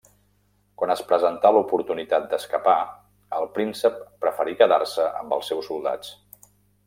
Quan es presentà l'oportunitat d'escapar, el príncep preferí quedar-se amb els seus soldats.